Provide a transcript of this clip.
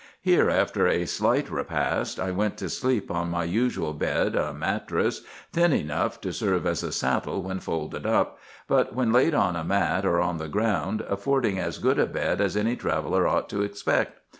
Here, after a slight repast, I went to sleep on my usual bed, a mattress, thin enough to serve as a saddle when folded up, but, when laid on a mat or on the ground, affording as good a bed as any traveller ought to expect.